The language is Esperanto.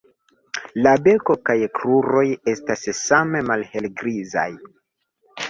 La beko kaj kruroj estas same malhelgrizaj.